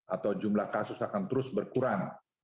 atau jumlah kasus akan terus berkurang